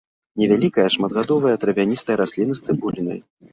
Невялікая шматгадовая травяністая расліна з цыбулінай.